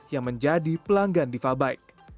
yang menjadi pelanggan diva bike